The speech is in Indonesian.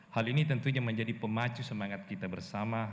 hal ini tentunya menjadi pemacu semangat kita bersama